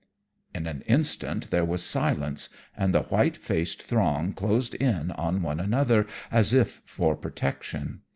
"In an instant there was silence, and the white faced throng closed in on one another as if for protection.